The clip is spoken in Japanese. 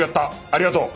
ありがとう！